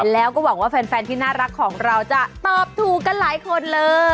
แล้วก็หวังว่าแฟนที่น่ารักของเราจะตอบถูกกันหลายคนเลย